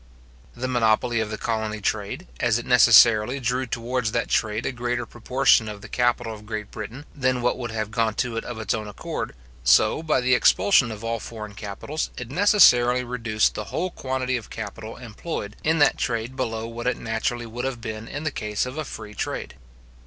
The monopoly of the colony trade, as it necessarily drew towards that trade a greater proportion of the capital of Great Britain than what would have gone to it of its own accord, so, by the expulsion of all foreign capitals, it necessarily reduced the whole quantity of capital employed in that trade below what it naturally would have been in the case of a free trade.